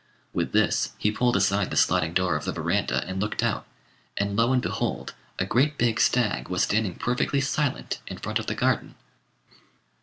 With this he pulled aside the sliding door of the verandah and looked out, and, lo and behold! a great big stag was standing perfectly silent in front of the garden.